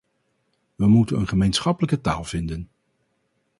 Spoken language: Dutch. We moeten een gemeenschappelijke taal vinden.